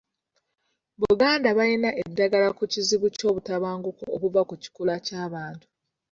Buganda balina eddagala ku kizibu ky’obutabanguko obuva ku kikula ky’abantu.